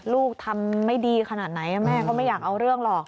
ลูกทำไม่ดีขนาดไหนแม่ก็ไม่อยากเอาเรื่องหรอก